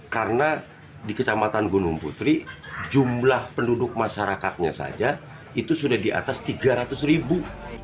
karena di kecamatan gunung putri jumlah penduduk masyarakatnya saja itu sudah di atas tiga ratus ribu